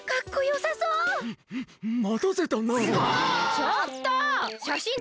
ちょっと！